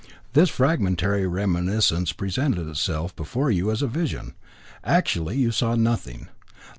This fragmentary reminiscence presented itself before you as a vision. Actually you saw nothing.